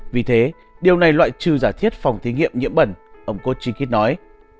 vì thế điều này loại trừ giả thiết phòng thí nghiệm nhiễm bẩn ông kochikit nói